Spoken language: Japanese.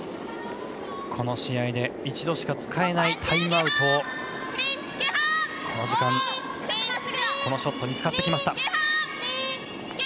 この試合一度しか使えないタイムアウトをこの時間、このショットに使ってきました。